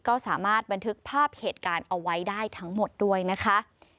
ก็สามารถบันทึกภาพเหตุการณ์เอาไว้ได้ทั้งหมดด้วยนะคะ